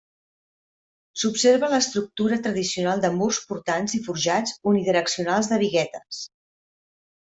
S'observa l'estructura tradicional de murs portants i forjats unidireccionals de biguetes.